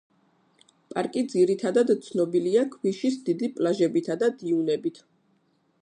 პარკი ძირითადად ცნობილია ქვიშის დიდი პლაჟებითა და დიუნებით.